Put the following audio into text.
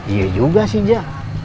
iya juga sih jah